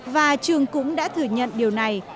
và trường cũng đã thừa nhận điều này